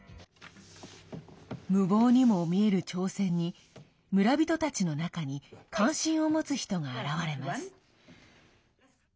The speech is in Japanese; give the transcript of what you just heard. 無謀にも見える挑戦に村人たちの中に関心を持つ人が現れます。